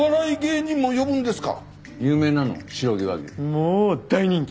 もう大人気！